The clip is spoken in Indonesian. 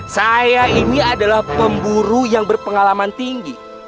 saya ini adalah pemburu yang berpengalaman tinggi